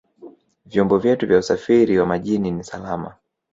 vyombo vyetu vya usafiri wa majini ni salama